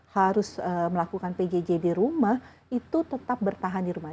harus melakukan pjj di rumah itu tetap bertahan di rumah